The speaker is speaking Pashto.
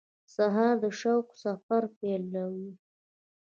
سهار د شوق سفر پیلوي.